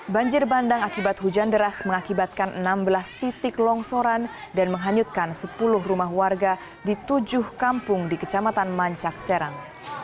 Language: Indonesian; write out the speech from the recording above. banjir bandang akibat hujan deras mengakibatkan enam belas titik longsoran dan menghanyutkan sepuluh rumah warga di tujuh kampung di kecamatan mancak serang